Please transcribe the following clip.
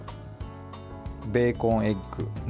ベーコンエッグ。